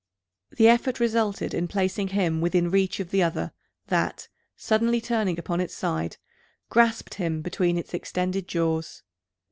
The effort resulted in placing him within reach of the other, that, suddenly turning upon its side, grasped him between its extended jaws.